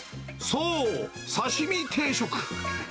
そう、刺身定食。